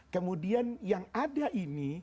kemudian yang ada ini